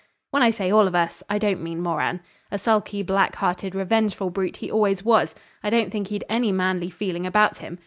When I say all of us, I don't mean Moran. A sulky, black hearted, revengeful brute he always was I don't think he'd any manly feeling about him.